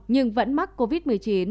nhưng vẫn mắc covid một mươi chín